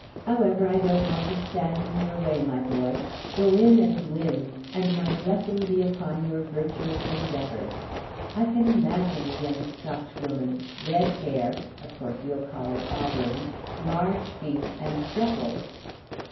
However, I don't want to stand in your way, my boy. Go in and win, and my blessing be upon your virtuous endeavors. I can imagine the young Scotchwoman red hair (of course you'll call it auburn), large feet, and freckles!"